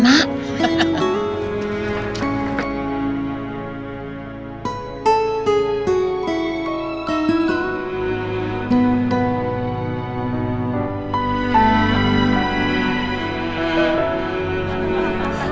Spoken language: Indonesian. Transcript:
nanti kita berjalan